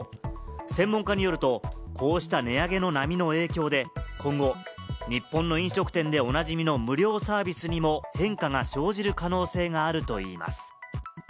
専門家によると、こうした値上げの波の影響で今後、日本の飲食店でおなじみの無料サービスにも変化が生じる可能性があるといいます。